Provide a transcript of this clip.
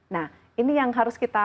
nah ini yang harus kita